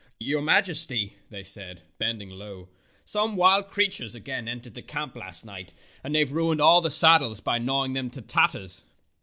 "Your Majesty/' they said, bending low, " some wild creatures again entered the camp last night, and they have ruined all the sad dles by gnawing them to tatters."